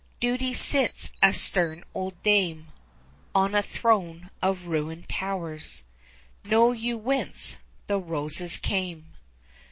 Duty sits a stern old dame On a throne of ruined towers; Know you whence the roses came?